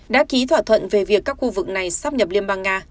đã ký thỏa thuận về việc các khu vực này sắp nhập liên bang nga